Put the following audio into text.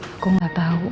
aku gak tau